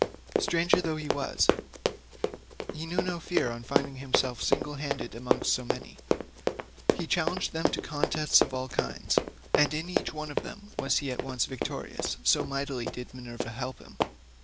Stranger though he was, he knew no fear on finding himself single handed among so many, but challenged them to contests of all kinds, and in each one of them was at once victorious, so mightily did Minerva help him.